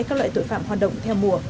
các loại tội phạm hoạt động theo mùa